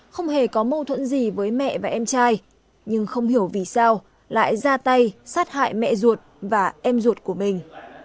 không hề có mâu thuẫn gì với mẹ và em trai nhưng không hiểu vì sao lại ra tay sát hại mẹ ruột và em ruột của mình